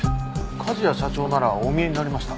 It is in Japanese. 梶谷社長ならお見えになりました。